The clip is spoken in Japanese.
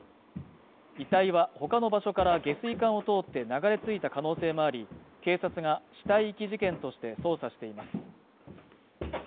遺体は、他の場所から下水管を通って流れ着いた可能性もあり、警察が死体遺棄事件として捜査しています。